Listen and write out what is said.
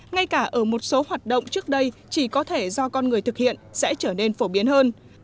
ngay cả ở một số hoạt động trước đây chỉ có thể do con người thực hiện sẽ trở nên phổ biến hơn